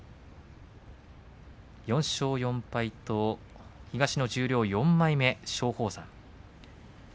４勝４敗、東の十両４枚目松鳳山。